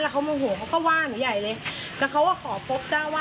แล้วเขามึงห่วงเขาก็ว่าหนูใหญ่เลยแต่เขาก็ขอพบจ้าวาด